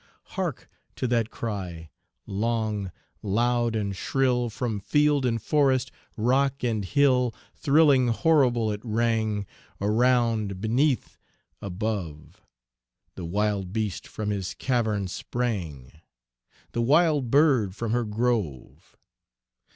Hark to that cry! long, loud and shrill, From field and forest, rock and hill, Thrilling horrible it rang, Around, beneath, above; The wild beast from his cavern sprang, The wild bird from her grove!